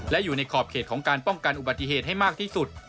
และอยู่ในขอบเขตของการป้องกันอุบัติเหตุให้มากที่สุด